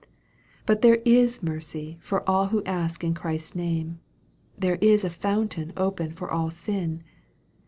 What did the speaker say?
But there is mercy for all who ask in Christ's name, There is a fountain open for all sin.